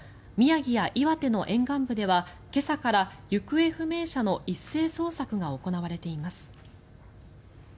宮城や岩手の沿岸部では今朝から行方不明者の一斉捜索が行われています。